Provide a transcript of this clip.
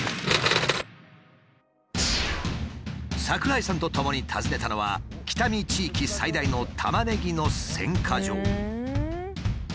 櫻井さんとともに訪ねたのは北見地域最大のタマネギの選果場。